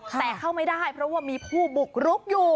แต่เข้าไม่ได้เพราะว่ามีผู้บุกรุกอยู่